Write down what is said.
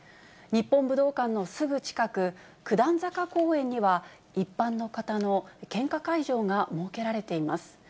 日本武道館のすぐ近く、九段坂公園には、一般の方の献花会場が設けられています。